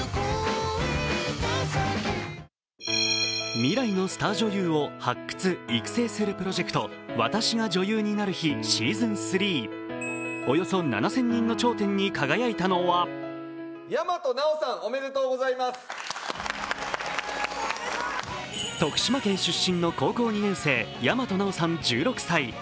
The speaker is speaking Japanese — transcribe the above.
未来のスター女優を発掘、育成するプロジェクト「『私が女優になる日＿』ｓｅａｓｏｎ３」およそ７０００人の頂点に輝いたのは徳島県出身の高校２年生、大和奈央さん１６歳。